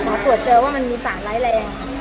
หมอตรวจเจอว่ามันมีสารไร้แรง